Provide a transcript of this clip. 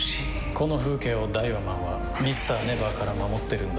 この風景をダイワマンはＭｒ．ＮＥＶＥＲから守ってるんだ。